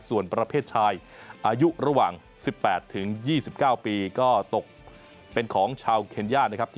ส่วนประเภทชายอายุระหว่าง๑๘๒๙ปีก็ตกเป็นของชาวเคนย่านะครับ